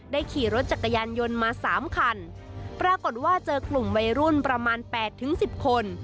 ขี่รถจักรยานยนต์มาสามคันปรากฏว่าเจอกลุ่มวัยรุ่นประมาณแปดถึงสิบคน